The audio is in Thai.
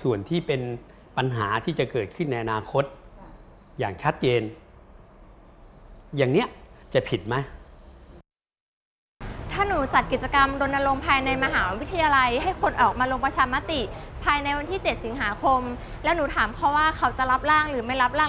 สติภายในวันที่๗สิงหาคมแล้วหนูถามเพราะว่าเขาจะรับร่างหรือไม่รับร่าง